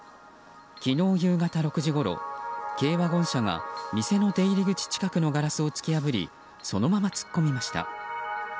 昨日夕方６時ごろ、軽ワゴン車が店の出入り口近くのガラスを突き破りそのまま突っ込みました。